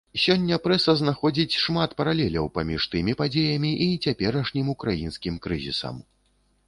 Сёння прэса знаходзіць шмат паралеляў паміж тымі падзеямі і цяперашнім украінскім крызісам.